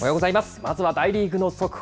まずは大リーグの速報。